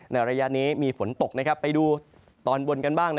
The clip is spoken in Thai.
ระยะนี้มีฝนตกไปดูตอนบนกันบ้าง